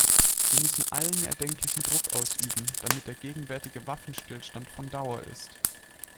Wir müssen allen erdenklichen Druck ausüben, damit der gegenwärtige Waffenstillstand von Dauer ist.